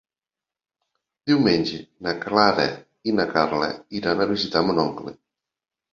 Diumenge na Clara i na Carla iran a visitar mon oncle.